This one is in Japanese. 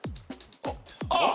あっ！